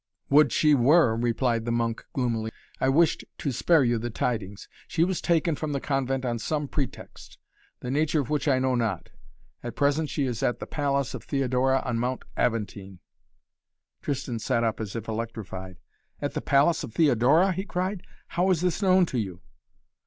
"Would she were," replied the monk gloomily. "I wished to spare you the tidings! She was taken from the convent on some pretext the nature of which I know not. At present she is at the palace of Theodora on Mount Aventine." Tristan sat up as if electrified. "At the palace of Theodora?" he cried. "How is this known to you?"